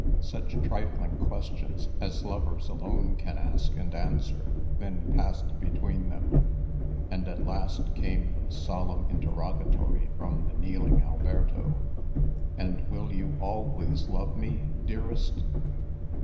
Such trifling questions as lovers alone can ask and answer then passed between them; and at last came the solemn interrogatory from the kneeling Alberto: "And will you always love me, dearest?"